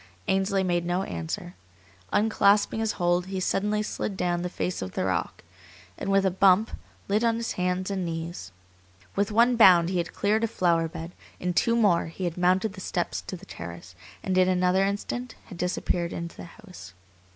Ainsley made no answer. Unclasping his hold, he suddenly slid down the face of the rock, and with a bump lit on his hands and knees. With one bound he had cleared a flower bed. In two more he had mounted the steps to the terrace, and in another instant had disappeared into the house.